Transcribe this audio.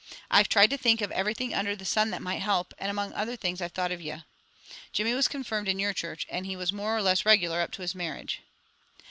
I've tried to think of everything under the sun that might help, and among other things I've thought of ye. Jimmy was confirmed in your church, and he was more or less regular up to his marriage."